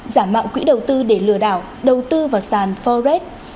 giả mạo quỹ đầu tư để lừa đảo đầu tư vào sàn forex